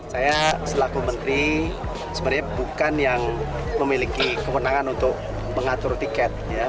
saya selaku menteri sebenarnya bukan yang memiliki kewenangan untuk mengatur tiket